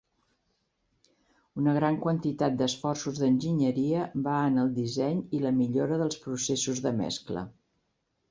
Una gran quantitat d'esforços d'Enginyeria va en el disseny i la millora dels processos de mescla.